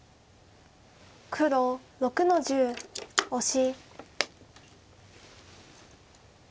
黒６の十オシ。